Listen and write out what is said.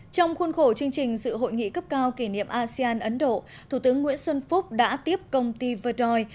trong khuôn khổ chương trình dự hội nghị cấp cao kỷ niệm asean ấn độ thủ tướng nguyễn xuân phúc đã tiếp công ty verdori